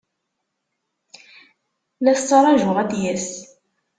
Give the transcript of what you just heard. La t-ttṛajuɣ ad d-yas.